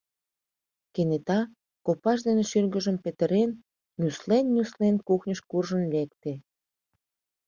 Кенета, копаж дене шӱргыжым петырен, нюслен-нюслен кухньыш куржын лекте.